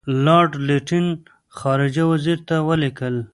لارډ لیټن خارجه وزیر ته ولیکل.